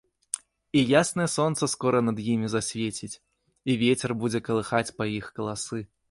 І яснае сонца скора над імі засвеціць, і вецер будзе калыхаць па іх каласы.